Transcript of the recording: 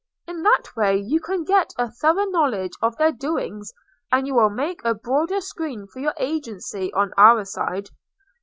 In that way you can get a thorough knowledge of their doings, and you will make a broader screen for your agency on our side.